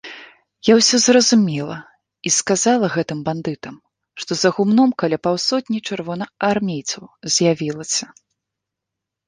Я ўсё зразумела і сказала гэтым бандытам, што за гумном каля паўсотні чырвонаармейцаў з'явілася.